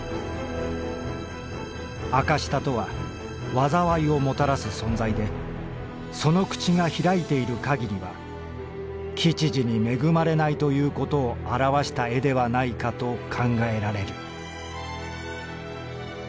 「赤舌とは禍をもたらす存在でその口が開いている限りは吉事に恵まれないということを表した絵ではないかと考えられる」。